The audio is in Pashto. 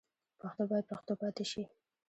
پښتو باید پښتو پاتې شي.